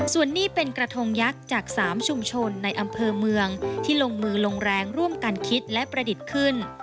ส่วนนี้เป็นกระทงยักษ์จาก๓ชุมชนในอำเภอเมืองที่ลงมือลงแรงร่วมกันคิดและประดิษฐ์ขึ้น